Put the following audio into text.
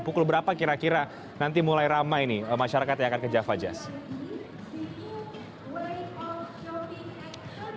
pukul berapa kira kira nanti mulai ramai nih masyarakat yang akan ke java jazz